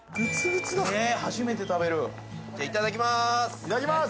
いただきます。